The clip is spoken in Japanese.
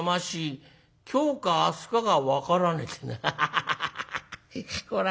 ハハハハハこら